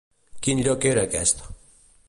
Quin lloc era aquest?